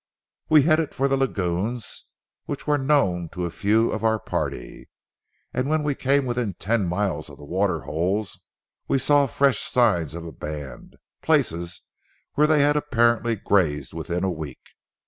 "We headed for the lagoons, which were known to a few of our party, and when we came within ten miles of the water holes, we saw fresh signs of a band—places where they had apparently grazed within a week.